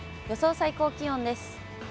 予想最高気温です。